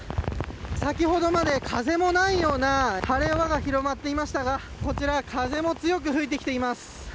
先ほどまで、風もないような晴れ間が広がっていましたがこちら風も強く吹いてきています。